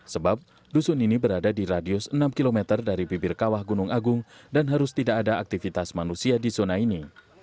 sebab dusun ini berada di radius enam km dari bibir kawah gunung agung dan harus tidak ada aktivitas manusia di zona ini